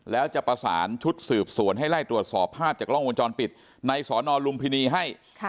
แล้วจะประสานชุดสืบสวนให้ไล่ตรวจสอบภาพจากกล้องวงจรปิดในสอนอลุมพินีให้